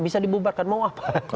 bisa dibubarkan mau apa